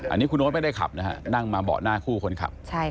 อันนี้คุณโน๊ตไม่ได้ขับนะฮะนั่งมาเบาะหน้าคู่คนขับ